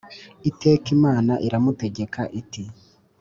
iteka Imana iramutegeka iti